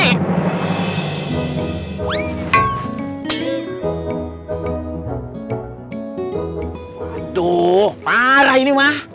aduh parah ini mah